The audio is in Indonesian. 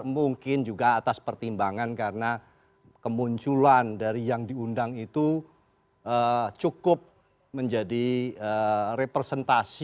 mungkin juga atas pertimbangan karena kemunculan dari yang diundang itu cukup menjadi representasi